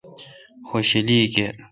خوشلی کیر